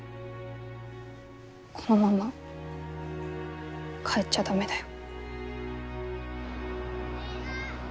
このまま帰っちゃ駄目だよ。